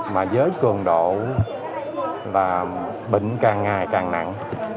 mà với cường độ là bệnh càng ngày càng nặng